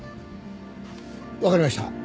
わかりました。